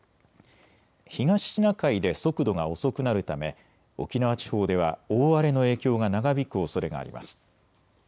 東シナ海で速度が遅くなるため沖縄地方では大荒れの影響が長引くおそれがあります。